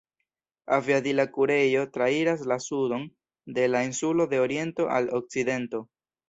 Aviadila kurejo trairas la sudon de la insulo de oriento al okcidento.